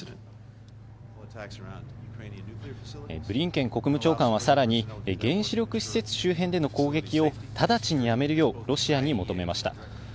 ブリンケン国務長官はさらに、原子力施設周辺での攻撃を直ちにやめるよう、ロシアに求めました。